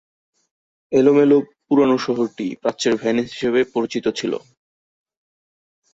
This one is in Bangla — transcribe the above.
এলোমেলো পুরানো শহরটি "প্রাচ্যের ভেনিস" হিসাবে পরিচিত ছিল।